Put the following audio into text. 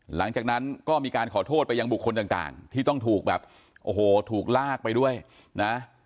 หลังจากนั้นก็มีการขอโทษไปยังบุคคลต่างที่ต้องถูกแบบโอ้โหถูกลากไปด้วยนะ